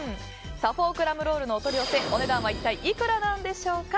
サフォークラムロールのお取り寄せお値段は一体いくらでしょうか。